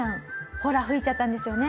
ホラ吹いちゃったんですよね？